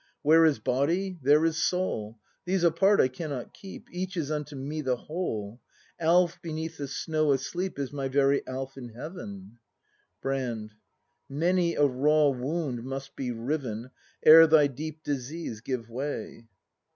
Where is body, there is soul: These apart I cannot keep. Each is unto me the whole; Alf beneath the snow asleep Is my very Alf in heaven! Brand. Many a raw wound must be riven Ere thy deep disease give way.